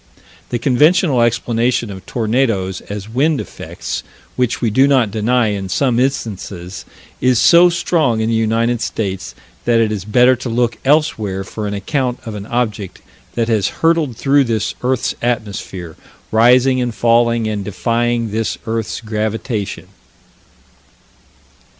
The conventional explanation of tornadoes as wind effects which we do not deny in some instances is so strong in the United States that it is better to look elsewhere for an account of an object that has hurtled through this earth's atmosphere, rising and falling and defying this earth's gravitation.